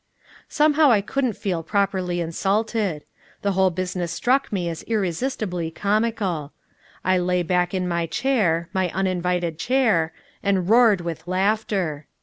Somehow I couldn't feel properly insulted. The whole business struck me as irresistibly comical. I lay back in my chair my uninvited chair and roared with laughter.